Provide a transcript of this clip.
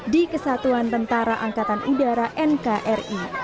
di kesatuan tentara angkatan udara nkri